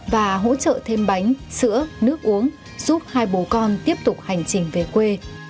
và hỗ trợ thêm bánh sữa nước uống giúp hai bố con tiếp tục hành trình về quê